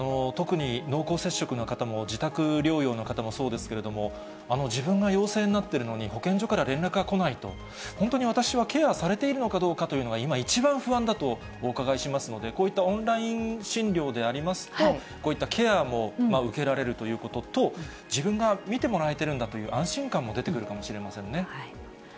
特に濃厚接触の方も、自宅療養の方もそうですけれども、自分が陽性になってるのに、保健所から連絡が来ないと、本当に私はケアされているのかどうかというのが今一番不安だとお伺いしますので、こういったオンライン診療でありますと、こういったケアも受けられるということと、自分がみてもらえてるんだという安心感も出てくるかもしれませんね。